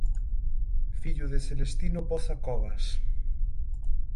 Fillo de Celestino Poza Cobas.